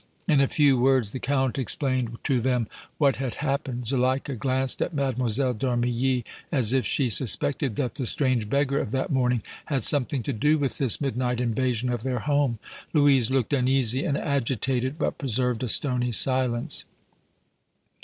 In a few words the Count explained to them what had happened. Zuleika glanced at Mlle. d' Armilly as if she suspected that the strange beggar of that morning had something to do with this midnight invasion of their home; Louise looked uneasy and agitated, but preserved a stony silence.